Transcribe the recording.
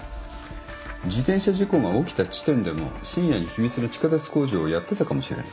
自転車事故が起きた地点でも深夜に秘密の地下鉄工事をやってたかもしれない。